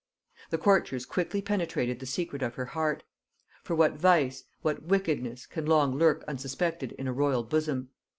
The courtiers quickly penetrated the secret of her heart; for what vice, what weakness, can long lurk unsuspected in a royal bosom?